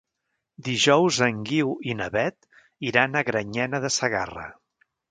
Dijous en Guiu i na Beth iran a Granyena de Segarra.